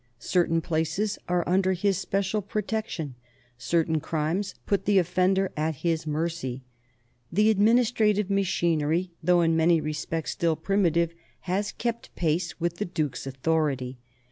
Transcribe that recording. Certain places are under his special pro tection, certain crimes put the offender at his mercy. The administrative machinery, though in many respects still primitive, has kept pace with the duke's authority.